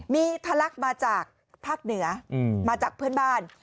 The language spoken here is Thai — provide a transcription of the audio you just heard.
มีทะลักมาจากภาคเหนือมาจากเพื่อนบ้าน